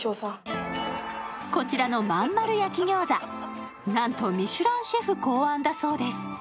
こちらの真ん丸焼き餃子、なんとミシュランシェフ考案だそうです。